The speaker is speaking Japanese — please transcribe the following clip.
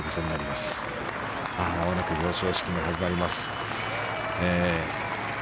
まもなく表彰式が始まります。